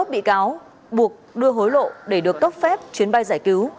hai mươi bị cáo buộc đưa hối lộ để được cấp phép chuyến bay giải cứu